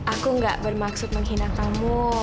aku gak bermaksud menghina kamu